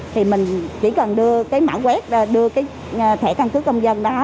thì mình chỉ cần đưa cái mã web đưa cái thẻ căn cứ công dân đó